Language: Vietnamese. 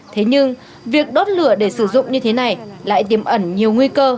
thế nhưng việc đốt lửa để sử dụng như thế này lại tiêm ẩn nhiều nguy cơ